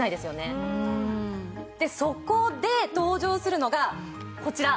そこで登場するのがこちら。